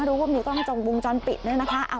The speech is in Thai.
รู้ว่ามีกล้องจงวงจรปิดเนี่ยนะคะ